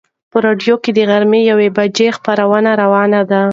په راډیو کې د غرمې د یوې بجې خبرونه روان دي.